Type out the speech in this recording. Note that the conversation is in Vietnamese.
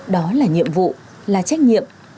đó là nhiệm vụ là trách nhiệm